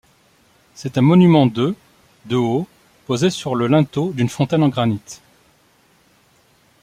C'est un monument de de haut, posée sur le linteau d'une fontaine en granite.